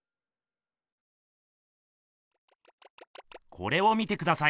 これを見てください。